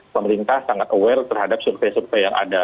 pemerintah sangat aware terhadap survei survei yang ada